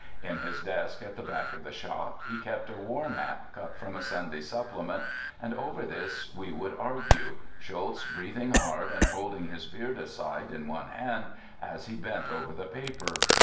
In his desk at the back of the shop he kept a war map cut from a Sunday supplement and over this we would argue, Schulz breathing hard and holding his beard aside in one hand as he bent over the paper.